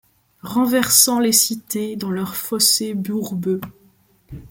Renversant les cités dans leur fossé bourbeux ;